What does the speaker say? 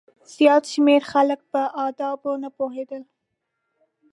زیات شمېر خلک په آدابو نه پوهېدل.